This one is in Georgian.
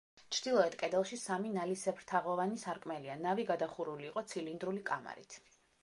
ჩრდილოეთ კედელში სამი, ნალისებრთაღოვანი სარკმელია, ნავი გადახურული იყო ცილინდრული კამარით.